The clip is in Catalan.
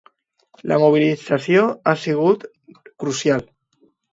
La mobilització ha sigut crucial.